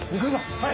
はい！